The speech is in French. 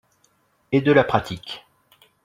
Et de la pratique